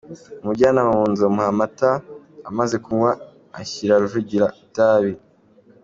Amujyana mu nzu amuha amata, amaze kunywa ashyira Rujugira itabi.